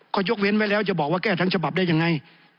ก็ยกเว้นไว้แล้วจะบอกว่าแก้ทั้งฉบับได้ยังไง